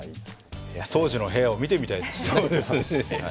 当時の部屋を見てみたいですね。